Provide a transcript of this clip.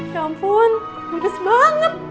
ya ampun gedes banget